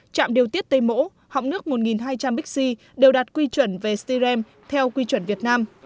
trạm điều tiết tây mỗ họng nước một hai trăm linh bixi đều đạt quy chuẩn về styren theo quy chuẩn việt nam